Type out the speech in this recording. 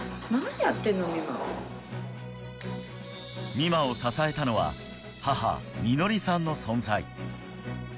美誠を支えたのは、母・美乃りさんの存在。